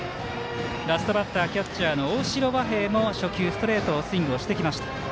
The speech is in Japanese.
ラストバッターキャッチャーの大城和平も初球、ストレートをスイングしてきました。